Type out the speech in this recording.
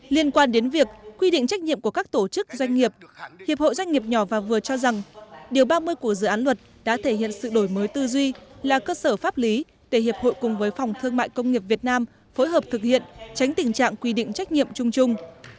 liên quan đến việc quy định trách nhiệm của các tổ chức doanh nghiệp hiệp hội doanh nghiệp nhỏ và vừa cho rằng điều ba mươi của dự án luật đã thể hiện sự đổi mới tư duy là cơ sở pháp lý để hiệp hội cùng với phòng thương mại công nghiệp việt nam phối hợp thực hiện tránh tình trạng quy định trách nhiệm chung chung